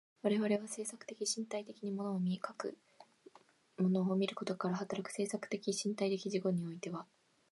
我々は制作的身体的に物を見、かく物を見ることから働く制作的身体的自己においては、